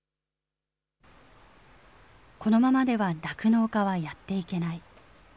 このままでは酪農家はやっていけない。